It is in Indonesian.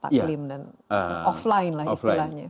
taklim dan offline lah istilahnya